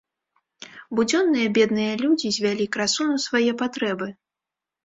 Будзённыя бедныя людзі звялі красу на свае патрэбы.